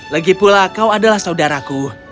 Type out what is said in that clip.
lagi pula kau adalah saudaraku